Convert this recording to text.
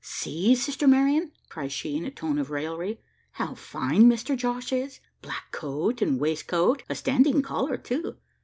"See, sister Marian!" cries she in a tone of raillery, "how fine Mister Josh is! black coat and waistcoat: a standing collar too!